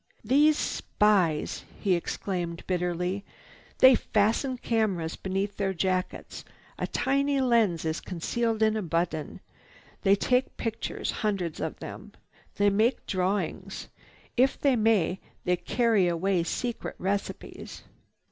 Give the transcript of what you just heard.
"These spies!" he exclaimed bitterly. "They fasten cameras beneath their jackets. A tiny lens is concealed as a button. They take pictures, hundreds of them. They make drawings. If they may, they carry away secret receipts."